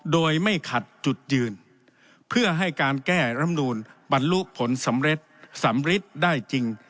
โดยไม่ขัดจุดยืนเพื่อให้การแก้รำนูนบรรลุผลสำเร็จสำริดได้จริง